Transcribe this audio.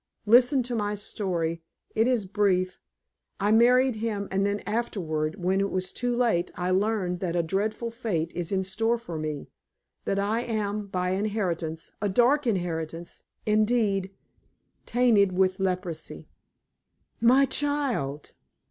Listen to my story. It is brief. I married him, and then afterward, when it was too late, I learned that a dreadful fate is in store for me; that I am by inheritance a dark inheritance, indeed tainted with leprosy." "My child!"